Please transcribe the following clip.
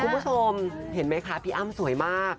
คุณผู้ชมเห็นไหมคะพี่อ้ำสวยมาก